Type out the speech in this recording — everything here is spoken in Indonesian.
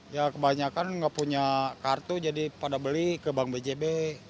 ya kebanyakan nggak punya kartu jadi pada beli ke bank bjb